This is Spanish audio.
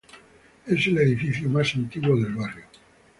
Es el edificio más antiguo del barrio.